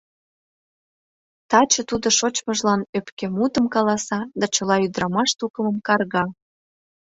— Таче тудо шочмыжлан ӧпке мутым каласа да чыла ӱдырамаш тукымым карга.